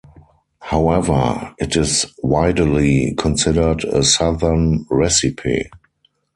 However, it is widely considered a Southern recipe.